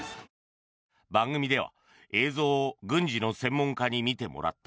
番組では映像を軍事の専門家に見てもらった。